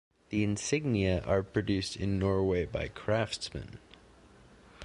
The insignia are produced in Norway by craftsmen.